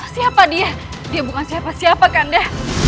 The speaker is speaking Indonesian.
siapa dia dia bukan siapa siapa kanda